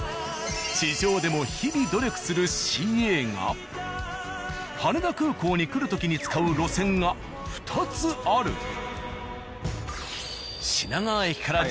地上でも日々努力するＣＡが羽田空港に来る時に使う路線が２つある。